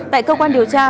tại cơ quan điều tra